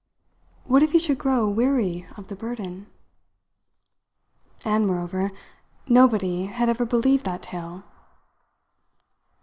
What if he should grow weary of the burden? "And, moreover, nobody had ever believed that tale!"